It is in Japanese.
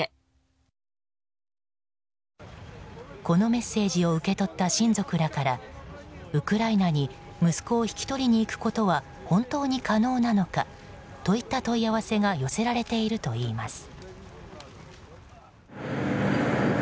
このメッセージを受け取った親族らからウクライナに息子を引き取りに行くことは本当になのか？といった問い合わせが寄せられているといいます。